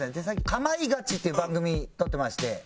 『かまいガチ』っていう番組撮ってまして。